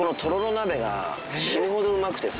鍋が死ぬほどうまくてさ。